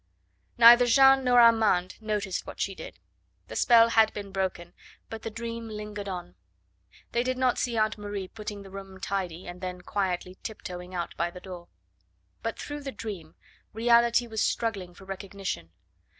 Neither Jeanne nor Armand noticed what she did; the spell had been broken, but the dream lingered on; they did not see Aunt Marie putting the room tidy, and then quietly tiptoeing out by the door. But through the dream, reality was struggling for recognition.